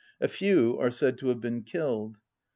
A few are said to have been killed.